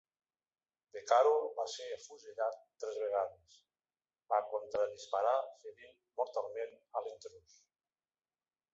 De Caro va ser afusellat tres vegades; va contra-disparar ferint mortalment a l'intrús.